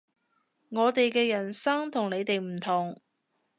我哋嘅人生同你哋唔同